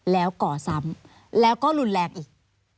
แล้วก่อซ้ำแล้วก็อีกหลุนแรง